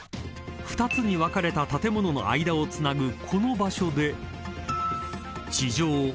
［２つに分かれた建物の間をつなぐこの場所で地上５４１ｍ